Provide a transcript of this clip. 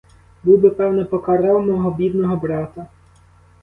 Був би певно покарав мого бідного брата.